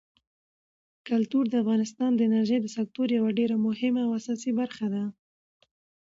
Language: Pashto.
کلتور د افغانستان د انرژۍ د سکتور یوه ډېره مهمه او اساسي برخه ده.